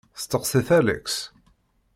Steqsit Alex.